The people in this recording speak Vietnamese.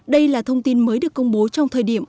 đây là thông tin mới được công bố trong thời điểm